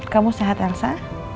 kamu sehat elsa